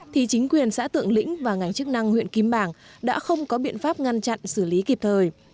thì chính quyền xã tượng lĩnh và ngành chức năng huyện kim bảng đã không có biện pháp ngăn chặn xử lý kịp thời